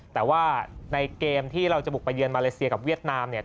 แต่ว่าในเกมที่เราจะบุกไปเยือนมาเลเซียกับเวียดนามเนี่ย